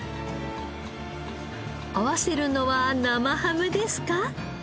合わせるのは生ハムですか？